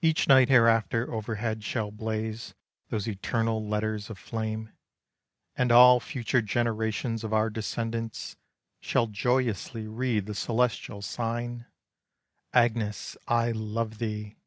Each night hereafter overhead shall blaze Those eternal letters of flame. And all future generations of our descendants Shall joyously read the celestial sign, "Agnes, I love thee!"